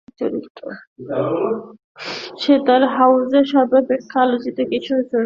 সে তার হাউসের সর্বাপেক্ষা আলোচিত কিশোর চরিত্র।